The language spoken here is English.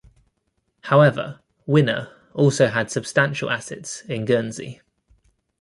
However, Winner also had substantial assets in Guernsey.